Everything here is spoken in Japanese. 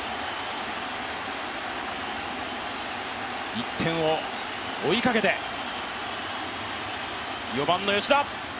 １点を追いかけて、４番の吉田。